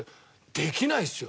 できないですよ。